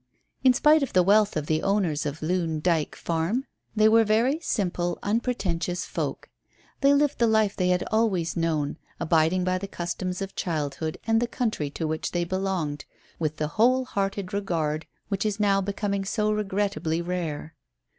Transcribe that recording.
In spite of the wealth of the owners of Loon Dyke Farm they were very simple, unpretentious folk. They lived the life they had always known, abiding by the customs of childhood and the country to which they belonged with the whole hearted regard which is now becoming so regrettably rare.